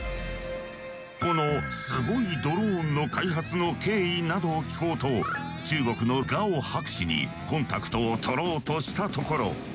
このスゴいドローンの開発の経緯などを聞こうと中国のガオ博士にコンタクトを取ろうとしたところ。